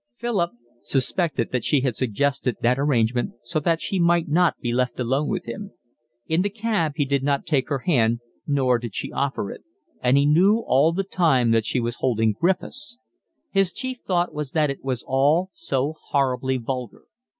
Philip suspected that she had suggested that arrangement so that she might not be left alone with him. In the cab he did not take her hand nor did she offer it, and he knew all the time that she was holding Griffiths'. His chief thought was that it was all so horribly vulgar.